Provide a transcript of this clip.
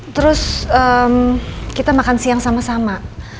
terus kita makan siang sama sama